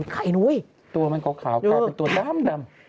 เกาะสมุยไข่หนุ้ยตัวมันเกาะขาวเป็นตัวด้ำดำ